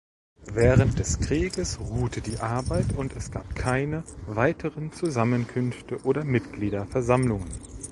Während des Krieges ruhte die Arbeit und es gab keine weiteren Zusammenkünfte oder Mitgliederversammlungen.